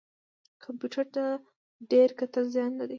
کمپیوټر ته ډیر کتل زیان لري